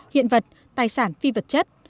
hiện vật tài sản phi vật chất